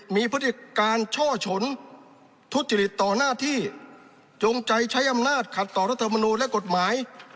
มีพฤติการช่อฉนทุจริตต่อหน้าที่จงใจใช้อำนาจขัดต่อรัฐมนูลและกฎหมาย